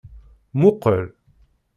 Mmuqqel!